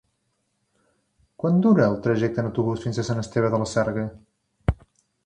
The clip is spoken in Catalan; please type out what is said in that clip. Quant dura el trajecte en autobús fins a Sant Esteve de la Sarga?